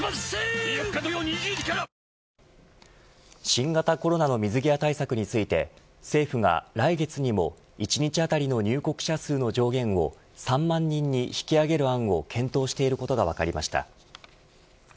新型コロナの水際対策について政府が来月にも１日当たりの入国者数の上限を３万人に引き上げる案を検討していることが分かりました。